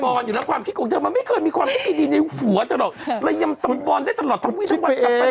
คุณคิดไปแยอะเองมันไม่เกิดมีความไม่ตีดีในหัวจรอกระยำตำบรได้ตลอดทั้งวินทั้งวัน